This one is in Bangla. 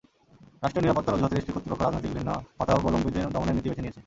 রাষ্ট্রীয় নিরাপত্তার অজুহাতে দেশটির কর্তৃপক্ষ রাজনৈতিক ভিন্নমতাবলম্বীদের দমনের নীতি বেছে নিয়েছে।